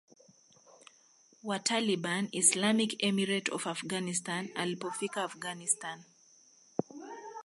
wa Taliban Islamic Emirate of Afghanistan Alipofika Afghanistan